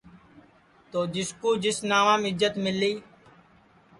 تو جس کُو جس ناوم عزت ملی اوٹھے اُنونے اپنائی لیا